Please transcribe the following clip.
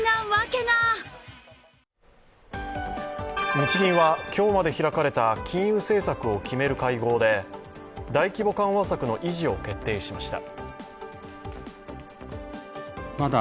日銀は今日まで開かれた金融政策を決める会合で大規模緩和策の維持を決定しました。